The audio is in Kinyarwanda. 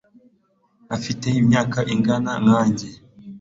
afite imyaka ingana nkanjye